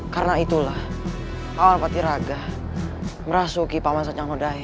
karena itulah paman batiraka merasuki paman sancang lodaya